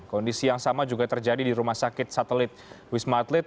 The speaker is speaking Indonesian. kondisi yang sama juga terjadi di rumah sakit satelit wisma atlet